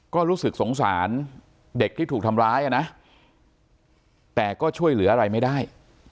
ก็รู้สึกสงสารเด็กที่ถูกทำร้ายอ่ะนะแต่ก็ช่วยเหลืออะไรไม่ได้